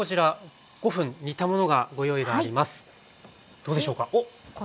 どうでしょうか。